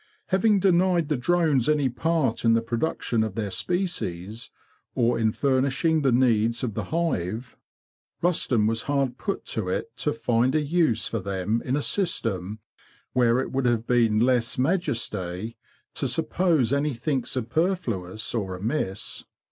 Having denied the drones any part in the production of their species, or in furnishing the needs of the hive, Rusden was hard put to it to find a use for them in a system where it would have been lése majesté to suppose anything superfluous or amiss.